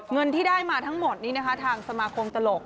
เงินที่ได้มาทั้งหมดนี้นะคะทางสมาคมตลก